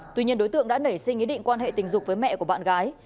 tuy nhiên đối tượng đã nảy sinh ý định quan hệ tình dục với mẹ của bạn gái